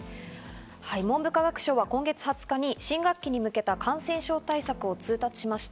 文部科学省は今月２０日に新学期に向けた感染症対策を通達しました。